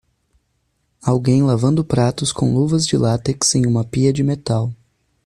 Alguém lavando pratos com luvas de látex em uma pia de metal.